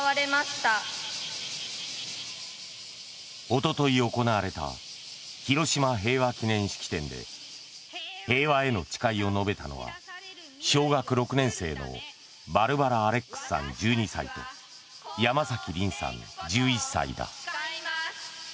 おととい行われた広島平和記念式典で「平和への誓い」を述べたのは小学６年生のバルバラ・アレックスさん１２歳と山崎鈴さん、１１歳だ。